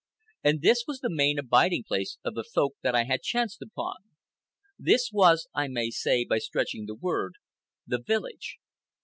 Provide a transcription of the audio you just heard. And this was the main abiding place of the Folk that I had chanced upon. This was, I may say, by stretching the word, the village.